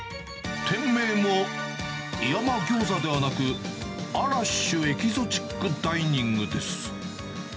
店名も、いわま餃子ではなく、アラシュエキゾチックダイニングです。